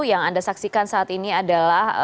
yang anda saksikan saat ini adalah